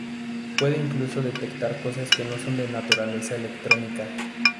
Puede incluso detectar cosas que no son de naturaleza electrónica.